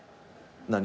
何？